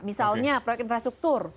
misalnya proyek infrastruktur